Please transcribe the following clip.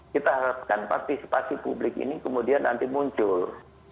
kita harapkan partisipasi publik ini kemudian nanti muncul